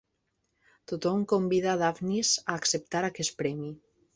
Tothom convida Daphnis a acceptar aquest premi.